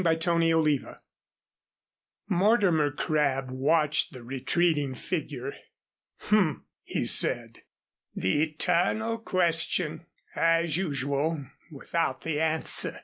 CHAPTER VII Mortimer Crabb watched the retreating figure. "H m," he said, "the Eternal Question as usual without the answer.